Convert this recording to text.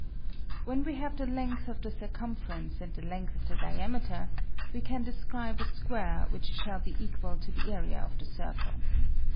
When we have the length of the circumference and the length of the diameter, we can describe a square which 24 THE SEVEN FOLLIES OF SCIENCE shall be equal to the area of the circle.